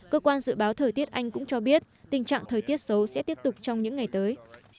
cơ quan dự báo thời tiết anh cũng cho biết tình trạng thời tiết xấu sẽ tiếp tục trong những ngày tới